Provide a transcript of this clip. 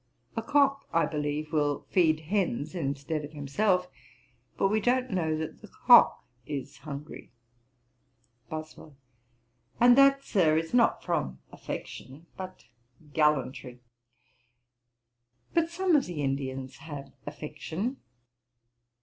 A cock, I believe, will feed hens instead of himself; but we don't know that the cock is hungry.' BOSWELL. 'And that, Sir, is not from affection but gallantry. But some of the Indians have affection.'